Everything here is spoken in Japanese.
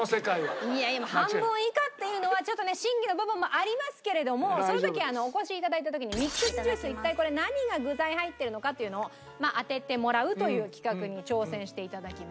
いやいや半分以下っていうのはちょっとね審議の部分もありますけれどもその時お越し頂いた時にミックスジュース一体これ何が具材入ってるのかっていうのを当ててもらうという企画に挑戦して頂きました。